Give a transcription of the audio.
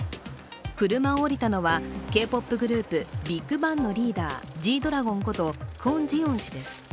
車を降りたのはＫ−ＰＯＰグループＢＩＧＢＡＮＧのリーダーＧ−ＤＲＡＧＯＮことクォン・ジヨン氏です。